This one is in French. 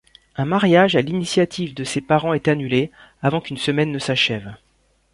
Un mariage à l’initiative de ses parents est annulé, avant qu’une semaine ne s’achève.